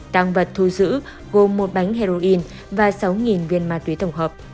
tăng vật thu giữ gồm một bánh heroin và sáu viên ma túy tổng hợp